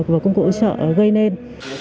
và công cụ hỗ trợ gây nên